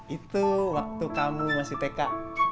itu waktu kamu masih tk